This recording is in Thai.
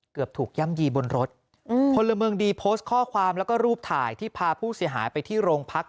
เกือบถูกย่ำยีบนรถพลเมืองดีโพสต์ข้อความแล้วก็รูปถ่ายที่พาผู้เสียหายไปที่โรงพัก